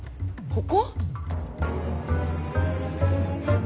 ここ？